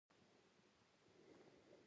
د الله نوم سره هر کار اسانه کېږي.